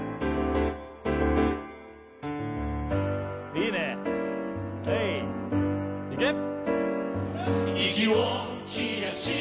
いいねヘイ・いけっ！